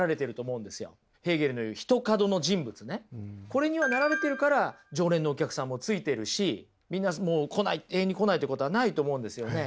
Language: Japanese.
これにはなられてるから常連のお客さんもついてるしみんな来ない永遠に来ないということはないと思うんですよね。